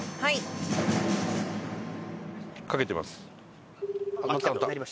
伊達：かけてます。